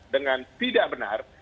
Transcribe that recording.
dengan tidak benar